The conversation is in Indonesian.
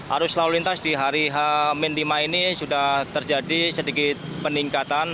arus lalu lintas di hari h lima ini sudah terjadi sedikit peningkatan